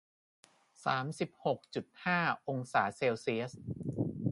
สามสิบหกจุดห้า องศาเซลเซียส